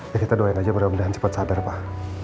ya kita doain aja mudah mudahan cepat sadar pak